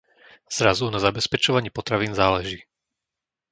Zrazu na zabezpečovaní potravín záleží.